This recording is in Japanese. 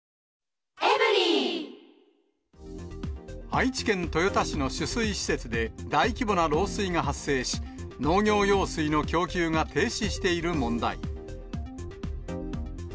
愛知県豊田市の取水施設で、大規模な漏水が発生し、農業用水の供給が停止している問題。